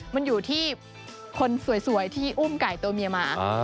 มันอยู่ที่คนสวยที่อุ้มไก่ตัวเมียมา